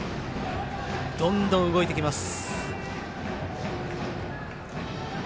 どんどん動いてきます。